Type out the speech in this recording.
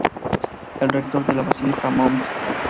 El rector de la Basílica, Mons.